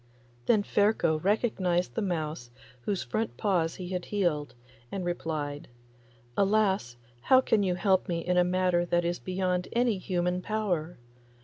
Then Ferko recognised the mouse whose front paws he had healed, and replied, 'Alas I how can you help me in a matter that is beyond any human power!